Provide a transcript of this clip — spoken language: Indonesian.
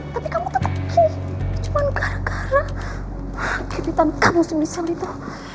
tapi kamu tetep gini cuma gara gara kebitan kamu semisal itu